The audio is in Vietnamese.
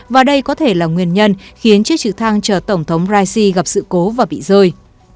và đây có thể là nguyên nhân khiến chiếc trực thăng chở tổng thống raisi gặp sự cố và bị rơi